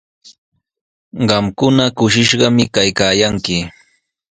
Qamkuna kushishqami kaykaayanki.